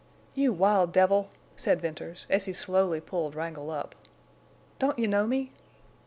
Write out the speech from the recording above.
"You wild devil," said Venters, as he slowly pulled Wrangle up. "Don't you know me?